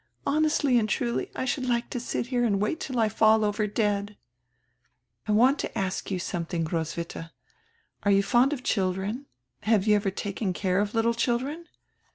Honestly and truly, I should like to sit here and wait till I fall over dead. "I want to ask you something, Roswitha. Are you fond of children? Have you ever taken care of little children?"